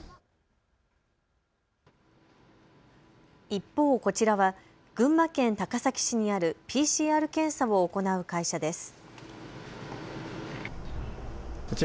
一方、こちらは群馬県高崎市にあるＰＣＲ検査を行う会社です。